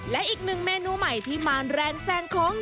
และอีกหนึ่งเมนูใหม่ที่มาแรงแซงของ